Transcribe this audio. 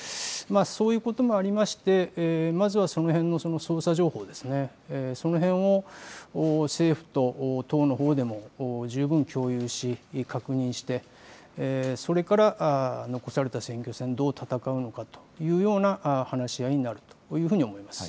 そういうこともありましてまずはその辺の捜査情報、その辺を政府と党のほうでも十分共有し確認してそれから残された選挙戦、どう戦うのかというような話し合いになるというふうに思います。